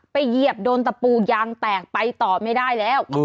เหยียบโดนตะปูยางแตกไปต่อไม่ได้แล้ว